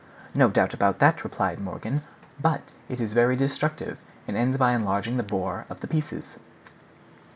"No doubt about that," replied Morgan; "but it is very destructive, and ends by enlarging the bore of the pieces."